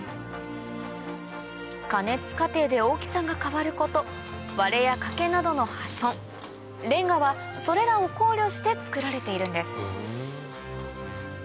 加熱過程で大きさが変わること割れや欠けなどの破損れんがはそれらを考慮して作られているんです